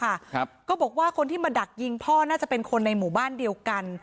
ครับก็บอกว่าคนที่มาดักยิงพ่อน่าจะเป็นคนในหมู่บ้านเดียวกัน